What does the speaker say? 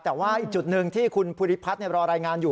แต่ว่าอีกจุดหนึ่งที่คุณภูริพัฒน์รอรายงานอยู่